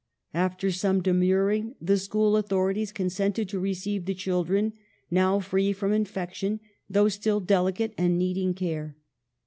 After some demur ring the school authorities consented to receive the children, now free from infection, though still delicate and needing care.